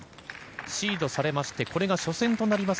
シードされましてこれが初戦となります